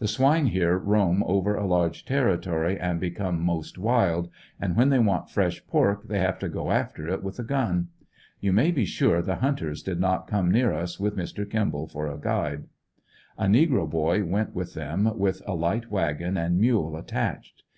The swine here roam over a large ter ritory and become most wild, and when they want fresh pork they have to go after it with a gun. You may be sure the hunters did not come near us with Mr. Kimball for a guide. A negro boy went with them with a light wagon and mule attached.